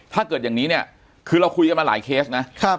อย่างนี้เนี่ยคือเราคุยกันมาหลายเคสนะ